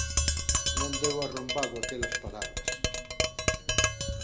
Non deu arrombado aquelas palabras.